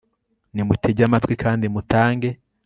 nimutege amatwi kandi mutange